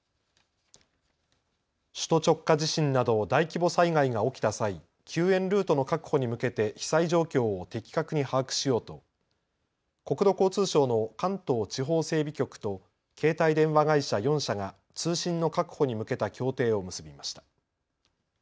首都直下地震など大規模災害が起きた際、救援ルートの確保に向けて被災状況を的確に把握しようと国土交通省の関東地方整備局と携帯電話会社４社が通信の確保に向けた協定を結びました。